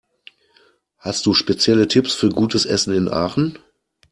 Hast du spezielle Tipps für gutes Essen in Aachen?